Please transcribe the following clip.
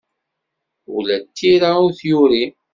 Ula d tira ur t-yuri.